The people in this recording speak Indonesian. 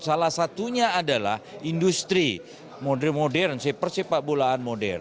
salah satunya adalah industri modern persipat bolaan modern